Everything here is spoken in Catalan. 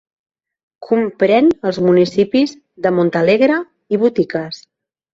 Comprèn els municipis de Montalegre i Boticas.